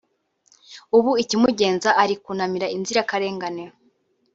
ubu ikimugenza ari kunamira inzirakarengane